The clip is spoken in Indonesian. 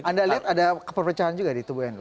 anda lihat ada keperpecahan juga di tubuh nu